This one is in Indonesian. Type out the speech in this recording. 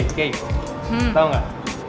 eh kei tau gak